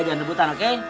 jangan rebutan oke